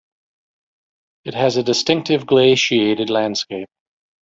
It has a distinctive glaciated landscape.